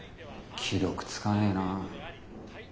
既読つかねえな。